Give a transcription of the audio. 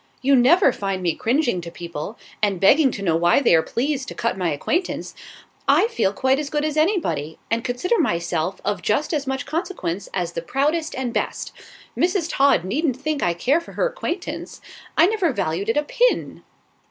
"You never find me cringing to people, and begging to know why they are pleased to cut my acquaintance. I feel quite as good as anybody, and consider myself of just as much consequence as the proudest and best. Mrs. Todd needn't think I care for her acquaintance; I never valued it a pin."